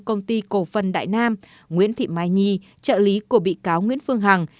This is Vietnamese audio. công ty cổ phần đại nam nguyễn thị mai nhi trợ lý của bị cáo nguyễn phương hằng